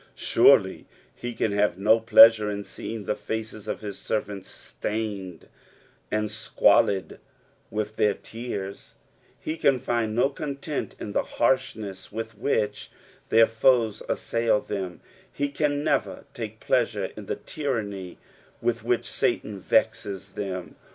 Surely he can have no pleasure in seeing the faces of his Bervant« stained and squalid wilh their tears ; he can find no content in the harshness with which their toes assail them, lie can never take pleasure in the tyranny with which Satan vciea them.